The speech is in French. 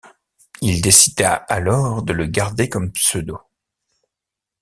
Il décida alors de le garder comme pseudo.